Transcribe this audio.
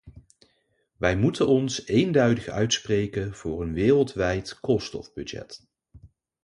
Wij moeten ons eenduidig uitspreken voor een wereldwijd koolstofbudget.